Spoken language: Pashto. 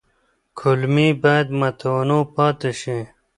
کولمې باید متنوع پاتې شي.